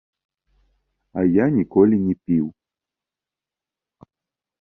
А я ніколі не піў.